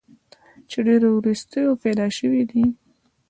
چې ډېر وروستو پېدا شوی دی